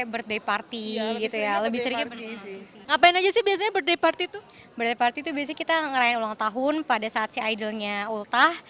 berarti itu biasanya kita ngerayain ulang tahun pada saat si idolnya ultah